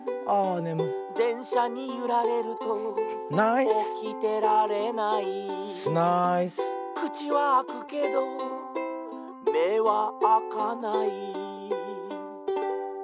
「でんしゃにゆられるとおきてられない」「くちはあくけどめはあかない」